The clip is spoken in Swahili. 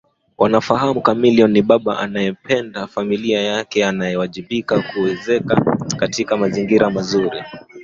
wanafahamu Chameleone ni baba anayeipenda familia yake anayewajibika kuiweka katika mazingira mazuri